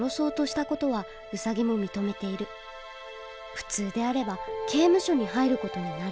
普通であれば刑務所に入る事になる。